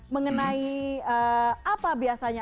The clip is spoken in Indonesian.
mengenai apa biasanya